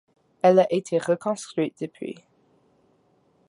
Elle a été reconstruite depuis.